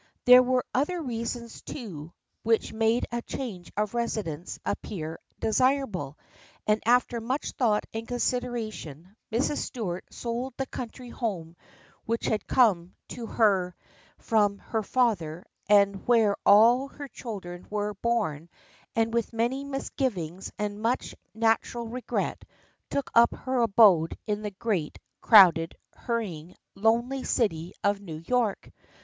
There were other reasons, too, which made a change of residence appear desirable, and after much thought and consideration, Mrs. Stuart sold the country home which had come to her 9 10 THE FRIENDSHIP OF ANNE from her father and where all her children were born, and with many misgivings and much nat ural regret, took up her abode in the great, crowded, hurrying, lonely city of New York.